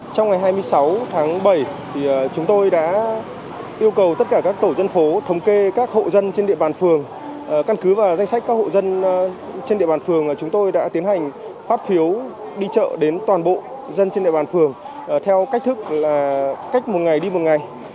căn cứ và danh sách các hộ dân trên địa bàn phường chúng tôi đã tiến hành phát phiếu đi chợ đến toàn bộ dân trên địa bàn phường theo cách thức là cách một ngày đi một ngày